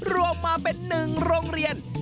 รวมมาเป็นหนึ่งโรงเรียน